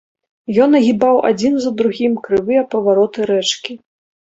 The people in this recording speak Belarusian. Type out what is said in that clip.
Ён агібаў адзін за другім крывыя павароты рэчкі.